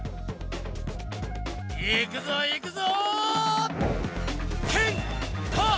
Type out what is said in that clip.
いくぞいくぞ！